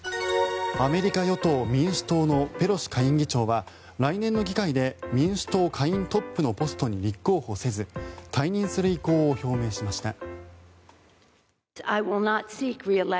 アメリカ与党・民主党のペロシ下院議長は来年の議会で民主党下院トップのポストに立候補せず退任する意向を表明しました。